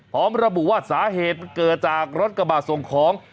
พร้อมระบุว่าสาเหตุเกิดจากรถกระบาดส่งของ